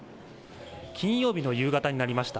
金曜日の夕方になりました。